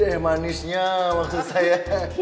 teh manisnya maksud saya